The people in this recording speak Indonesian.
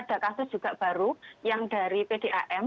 ada kasus juga baru yang dari pdam